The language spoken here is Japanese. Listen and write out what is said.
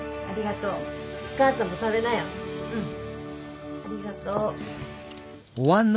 ありがとう。